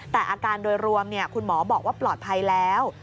แต่อาการโดยรวมคุณหมอบอกว่าปลอดภัยแล้ว